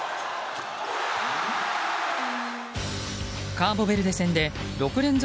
カーボベルデ戦で６連続